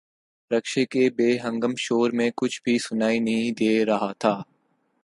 رکشے کے بے ہنگم شور میں کچھ بھی سنائی نہیں دے رہا تھا۔